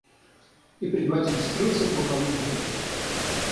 И предводитель скрылся в боковую дверь.